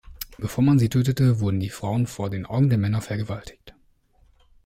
Bevor man sie tötete, wurden die Frauen vor den Augen der Männer vergewaltigt.